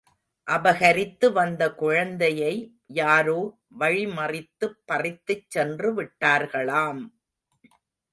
அபகரித்து வந்த குழந்தையை யாரோ வழிமறித்துப் பறித்துச் சென்று விட்டார்களாம்!...